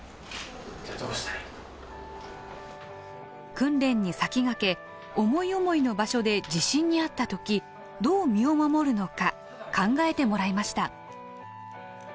訓練に先駆け思い思いの場所で地震に遭った時どう身を守るのか考えてもらいました。